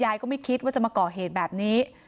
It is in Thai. ก็ไม่คิดว่าจะมาก่อเหตุแบบนี้